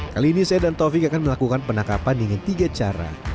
kali ini saya dan taufik akan melakukan penangkapan dengan tiga cara